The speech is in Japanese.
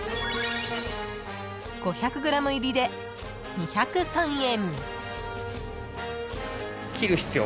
［５００ｇ入りで２０３円］